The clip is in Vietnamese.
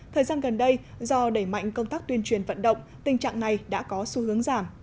thời gian gần đây do đẩy mạnh công tác tuyên truyền vận động tình trạng này đã có xu hướng giảm